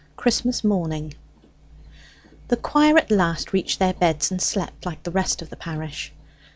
CHRISTMAS MORNING The choir at last reached their beds, and slept like the rest of the parish.